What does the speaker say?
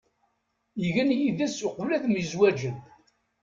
Igen yid-s uqbel ad myezwaǧen.